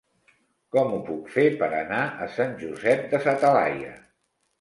Com ho puc fer per anar a Sant Josep de sa Talaia?